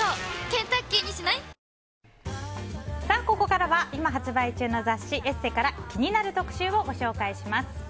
ここからは今発売中の雑誌「ＥＳＳＥ」から気になる特集をご紹介します。